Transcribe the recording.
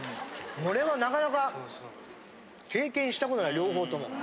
これはなかなか経験したことない両方とも。